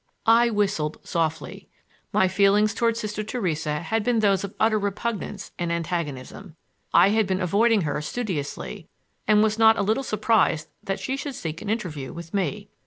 I whistled softly. My feelings toward Sister Theresa had been those of utter repugnance and antagonism. I had been avoiding her studiously and was not a little surprised that she should seek an interview with me.